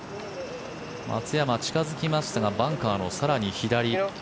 松山、近付きましたがバンカーの更に左。